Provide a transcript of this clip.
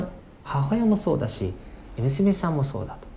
母親もそうだし娘さんもそうだと。